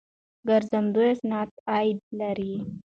ګرځندوی صنعت عاید لري.